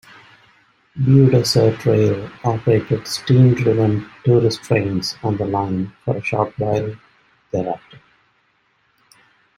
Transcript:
Beaudesert Rail operated steam-driven tourist trains on the line for a short while thereafter.